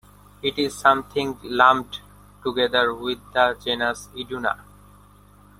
It is sometimes lumped together with the genus "Iduna".